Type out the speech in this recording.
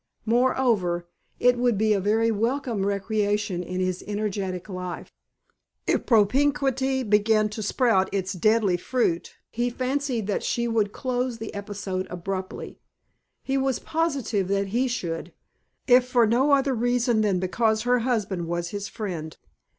Moreover, it would be a very welcome recreation in his energetic life. If propinquity began to sprout its deadly fruit he fancied that she would close the episode abruptly. He was positive that he should, if for no other reason than because her husband was his friend.